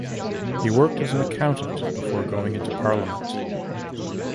He worked as an accountant before going into parliament.